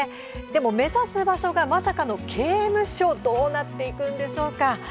でも、目指す場所がまさかの刑務所どうなっていくんでしょうか。